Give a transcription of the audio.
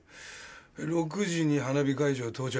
６時に花火会場到着。